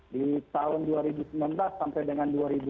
di tahun dua ribu sembilan belas sampai dengan dua ribu dua puluh